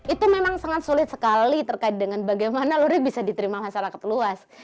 itu memang sangat sulit sekali terkait dengan bagaimana lurik bisa diterima masyarakat luas